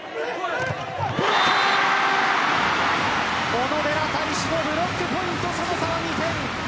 小野寺太志のブロックポイントその差は２点。